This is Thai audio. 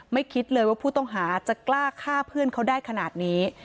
คิดเลยว่าผู้ต้องหาจะกล้าฆ่าเพื่อนเขาได้ขนาดนี้